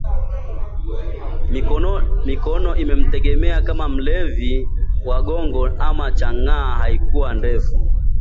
Mikono inamtetemeka kama mlevi wa gongo ama chang'aa Haikuwa ndefu